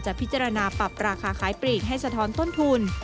พิจารณาปรับราคาขายปลีกให้สะท้อนต้นทุน